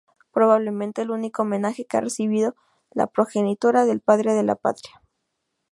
Probablemente el único homenaje que ha recibido la progenitora del Padre de la Patria.